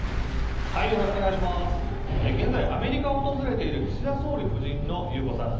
現在、アメリカを訪れている岸田総理夫人の裕子さん。